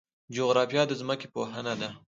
جغرافیه د ځمکې پوهنه ده